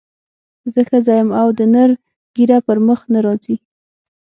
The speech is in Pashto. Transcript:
زه ښځه یم او د نر ږیره پر مخ نه راځي.